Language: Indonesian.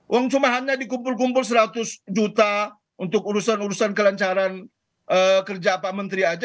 uang cuma hanya dikumpul kumpul seratus juta untuk urusan urusan kelancaran kerja pak menteri aja